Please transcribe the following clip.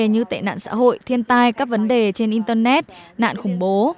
như tệ nạn xã hội thiên tai các vấn đề trên internet nạn khủng bố